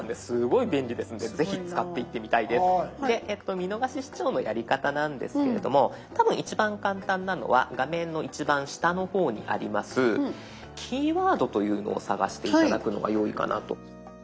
見逃し視聴のやり方なんですけれども多分一番簡単なのは画面の一番下の方にあります「キーワード」というのを探して頂くのがよいかなと。